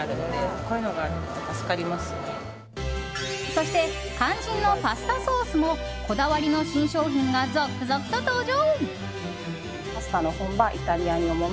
そして肝心のパスタソースもこだわりの新商品が続々と登場。